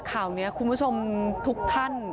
สวัสดีครับคุณผู้ชาย